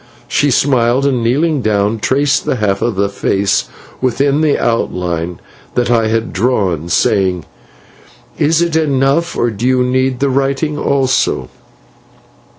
"She smiled, and, kneeling down, traced the half of a face within the outline that I had drawn, saying: "'Is it enough, or do you need the writing also?'